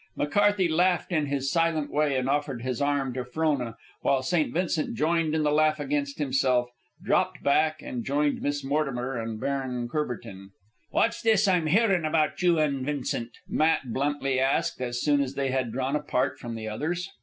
McCarthy laughed in his silent way and offered his arm to Frona, while St. Vincent joined in the laugh against himself, dropped back, and joined Miss Mortimer and Baron Courbertin. "What's this I'm hearin' about you an' Vincent?" Matt bluntly asked as soon as they had drawn apart from the others.